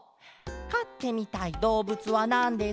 「かってみたいどうぶつはなんですか？